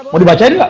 mau dibacain gak